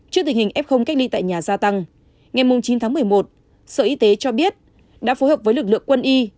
trước tình hình f cách ly tại nhà gia tăng ngày chín tháng một mươi một sở y tế cho biết đã phối hợp với lực lượng quân y